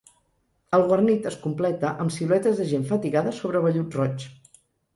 El guarnit es completa amb siluetes de gent fatigada sobre vellut roig.